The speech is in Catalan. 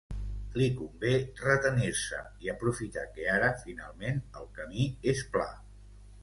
Li convé retenir-se i aprofitar que ara, finalment, el camí és pla.